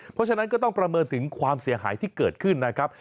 เพราะฉะนั้นก็ต้องประเมินถึงความเสียหายที่เกิดขึ้นนะครับ